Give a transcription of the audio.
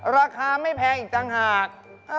ราคาไม่แพงอีกต่างหาก